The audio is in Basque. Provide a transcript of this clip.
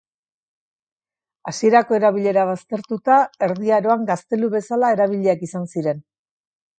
Hasierako erabilera baztertuta, Erdi Aroan gaztelu bezala erabiliak izan ziren.